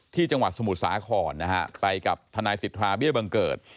จังหวัดสมุทรสาครนะฮะไปกับทนายสิทธาเบี้ยบังเกิด